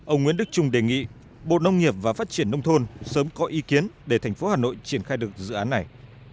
ông nguyễn đức trung đề nghị bộ nông nghiệp và phát triển nông thôn sớm có ý kiến để thành phố hà nội triển khai được dự án này